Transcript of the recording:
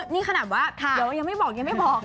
นี่ขนาดว่าเดี๋ยวยังไม่บอกยังไม่บอก